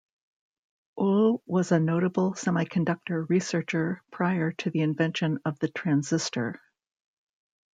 Ohl was a notable semiconductor researcher prior to the invention of the transistor.